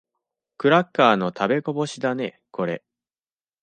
クラッカーの食べこぼしだね、これ。